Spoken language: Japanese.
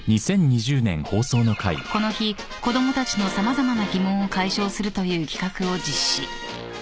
［この日子供たちの様々な疑問を解消するという企画を実施］